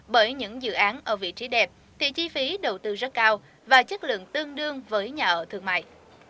bởi những dự án ở vị trí đẹp thì chi phí đầu tư rất cao và chất lượng tương đương với nhà ở thương mại